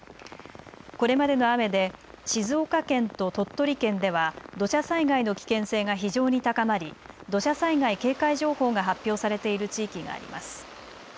これまでの雨で静岡県と鳥取県では土砂災害の危険性が非常に高まり土砂災害警戒情報が発表されている地域があります。